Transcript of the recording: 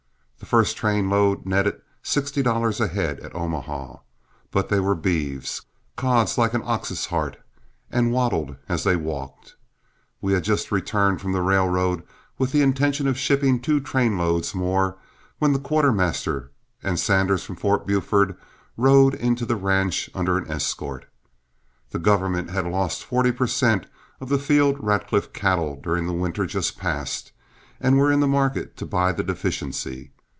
The first train load netted sixty dollars a head at Omaha but they were beeves; cods like an ox's heart and waddled as they walked. We had just returned from the railroad with the intention of shipping two train loads more, when the quartermaster and Sanders from Fort Buford rode into the ranch under an escort. The government had lost forty per cent. of the Field Radcliff cattle during the winter just passed, and were in the market to buy the deficiency.